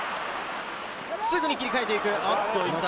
すぐに切り替えていく。